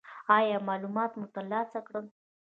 ایا معلومات مو ترلاسه کړل؟